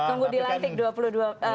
tunggu dilantik dua puluh dua mei